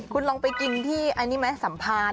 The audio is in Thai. คุณลองไปกินที่อันนี้ไหมสัมภาษณ์